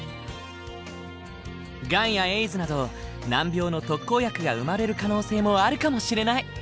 ガンやエイズなど難病の特効薬が生まれる可能性もあるかもしれない。